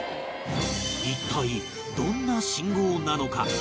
一体どんな信号なのか？